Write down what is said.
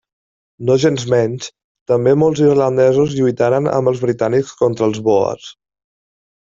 Nogensmenys, també molts irlandesos lluitaren amb els britànics contra els bòers.